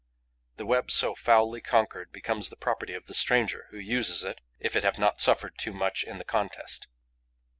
The web so foully conquered becomes the property of the stranger, who uses it, if it have not suffered too much in the contest.